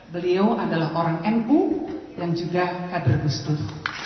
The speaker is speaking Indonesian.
beliau adalah orang nu dan juga kader gus dur